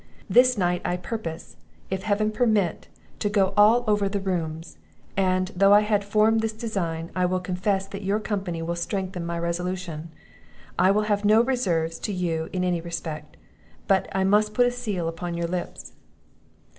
This night I purpose, if Heaven permit, to go all over the rooms; and, though I had formed this design, I will confess that your company will strengthen my resolution. I will have no reserves to you in any respect; but I must put a seal upon your lips."